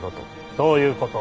そういうこと。